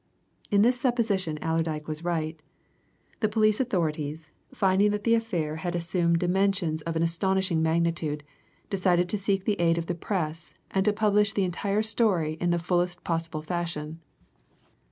In this supposition Allerdyke was right. The police authorities, finding that the affair had assumed dimensions of an astonishing magnitude, decided to seek the aid of the Press, and to publish the entire story in the fullest possible fashion.